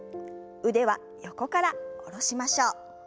腕は横から下ろしましょう。